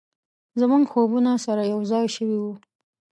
زموږ خوبونه سره یو ځای شوي و،